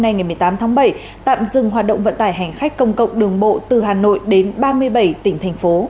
nay một mươi tám bảy tạm dừng hoạt động vận tải hành khách công cộng đường bộ từ hà nội đến ba mươi bảy tỉnh thành phố